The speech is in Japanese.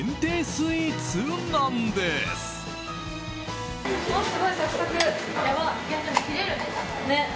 スイーツなんです。